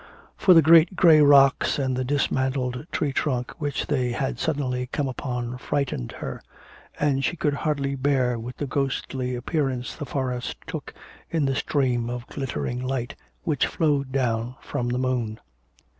For the great grey rocks and the dismantled tree trunk which they had suddenly come upon frightened her; and she could hardly bear with the ghostly appearance the forest took in the stream of glittering light which flowed down from the moon.